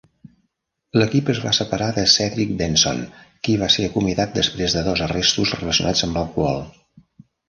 L'equip es va separar de Cedric Benson, qui va ser acomiadat després de dos arrestos relacionats amb l'alcohol.